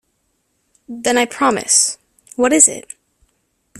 Then I promise; what is it?